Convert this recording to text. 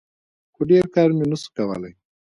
خو ډېر کار مې نسو کولاى.